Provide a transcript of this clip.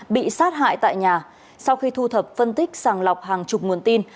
bị sát hại tại nhà sau khi thu thập phân tích sàng lọc hàng chục nguồn tin